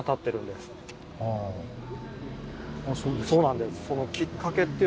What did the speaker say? そうなんです。